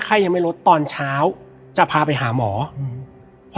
และวันนี้แขกรับเชิญที่จะมาเชิญที่เรา